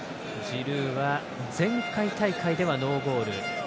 ジルーは前回大会ではノーゴール。